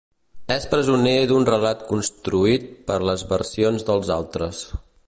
És presoner d'un relat construït per les versions dels altres.